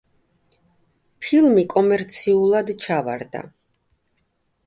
ფილმი კომერციულად ჩავარდა.